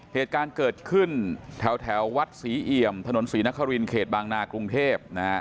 เหตุการณ์เกิดขึ้นแถววัดศรีเอี่ยมถนนศรีนครินเขตบางนากรุงเทพนะฮะ